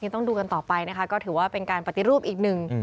ต้องดูกันต่อไปนะคะก็ถือว่าเป็นการปฏิรูปอีกหนึ่ง